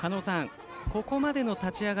ここまでの立ち上がり